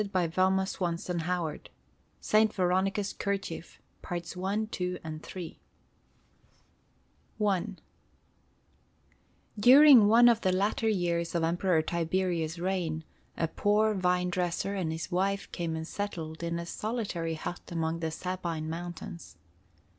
[Illustration: Saint Veronica's Kerchief] SAINT VERONICA'S KERCHIEF I During one of the latter years of Emperor Tiberius' reign, a poor vine dresser and his wife came and settled in a solitary hut among the Sabine mountains.